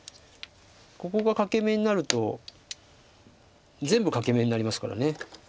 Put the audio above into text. ここが欠け眼になると全部欠け眼になりますから。